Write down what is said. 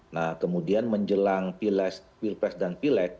nah kemudian menjelang pilek pilkres dan pilek